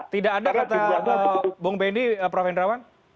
tidak ada kata bung benny prof hendrawan